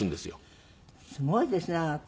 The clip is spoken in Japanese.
すごいですねあなた。